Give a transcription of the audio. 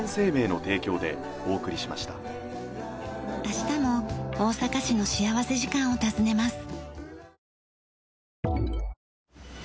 明日も大阪市の幸福時間を訪ねます。